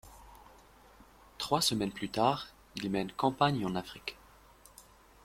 Trois semaines plus tard, il mène campagne en Afrique.